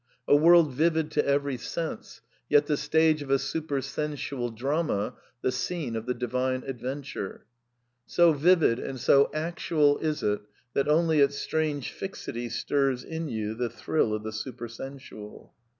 A world vivid to ^j every sense, yet the stage of a supersensual drama, the Bceugr | of the divine adventure. So vivid and so actual is it, that only its strange fixity stirs in you the thrill of the super sensual.